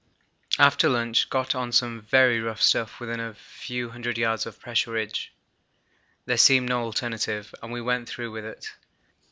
After lunch got on some very rough stuff within a few hundred yards of pressure ridge. There seemed no alternative, and we went through with it.